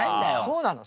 そうなの。